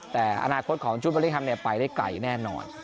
แต่อนาคตของจุศเบอร์ริ้งแฮมไปได้ไกลแน่นอน